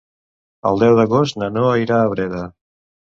El deu d'agost na Noa irà a Breda.